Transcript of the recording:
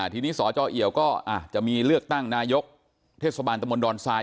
ทีนี้สจเอียวก็จะมีเลือกตั้งนายกเทศบาลตะมนตอนทราย